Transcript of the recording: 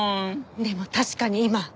でも確かに今。